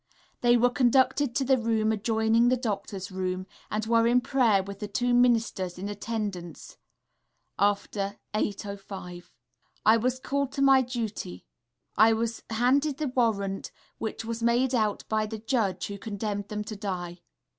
They were conducted to the room adjoining the doctor's room, and were in prayer with the two ministers in attendance after 8 5. I was called to do my duty. I was handed the warrant, which was made out by the judge who condemned them to die.